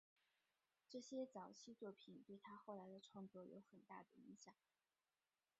这些早期作品对他后来的创作有很大影响。